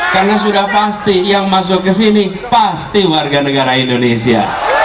karena sudah pasti yang masuk ke sini pasti warga negara indonesia